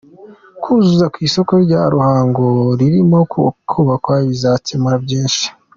Kuzura ku isoko rya Ruhango ririmo kubakwa bizakemura byinshi